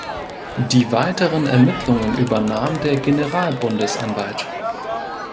Die weiteren Ermittlungen übernahm der Generalbundesanwalt.